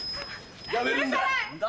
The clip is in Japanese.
やめるんだ！